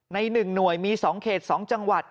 ใน๑หน่วยมี๒เขต๒จังหวัด